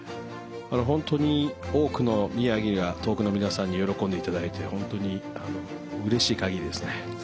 本当に多くの宮城や東北の皆さんに喜んで頂いて本当にうれしいかぎりですね。